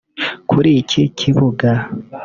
Kuri iki kibuga